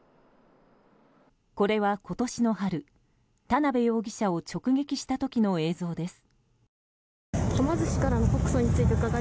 これは今年の春、田邊容疑者を直撃した時の映像です。